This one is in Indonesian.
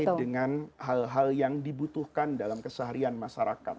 tapi dengan hal hal yang dibutuhkan dalam keseharian masyarakat